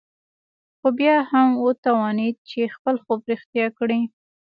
خو بيا هم وتوانېد چې خپل خوب رښتيا کړي.